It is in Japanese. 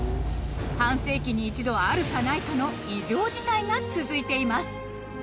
半世紀に一度あるかないかの異常事態が続いています